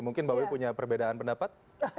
mungkin mbak wiwi punya perbedaan pendapat